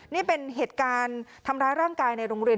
นี่เป็นเหตุการณ์ทำร้ายร่างกายในโรงเรียน